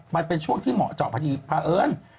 มันเป็นช่วงที่เหมาะเจาะพอดีพระเอิญ